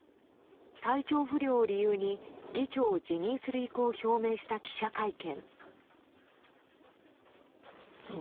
体調不良を理由に議長を辞任する意向を表明した記者会見。